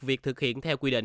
việc thực hiện theo quy định